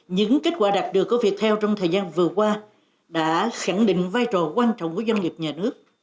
những kết quả đạt được của viettel trong thời gian vừa qua đã khẳng định vai trò quan trọng của doanh nghiệp nhà nước